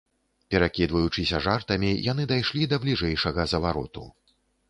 Перакідваючыся жартамі, яны дайшлі да бліжэйшага завароту.